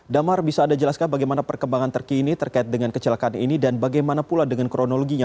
damar bisa anda jelaskan bagaimana perkembangan terkini terkait dengan kecelakaan ini dan bagaimana pula dengan kronologinya